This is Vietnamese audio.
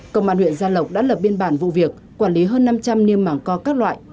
công an huyện gia lộc đã lập biên bản vụ việc quản lý hơn năm trăm linh niêm mảng co các loại